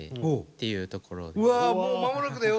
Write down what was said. っていうところです。